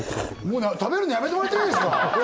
もう食べるのやめてもらっていいですか？